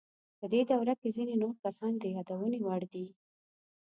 په دې دوره کې ځینې نور کسان د یادونې وړ دي.